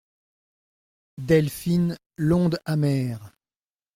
Delphine L'onde amère !